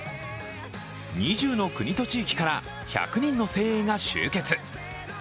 ２０の国と地域から１００人の精鋭が集結。